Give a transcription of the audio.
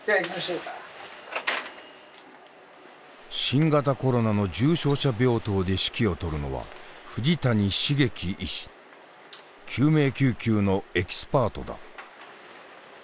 新型コロナの重症者病棟で指揮を執るのは救命救急のエキスパートだ。